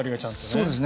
そうですね。